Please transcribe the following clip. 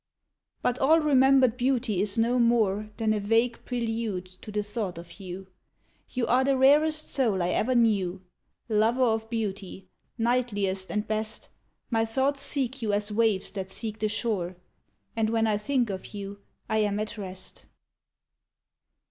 But all remembered beauty is no more Than a vague prelude to the thought of you You are the rarest soul I ever knew, Lover of beauty, knightliest and best; My thoughts seek you as waves that seek the shore, And when I think of you, I am at rest.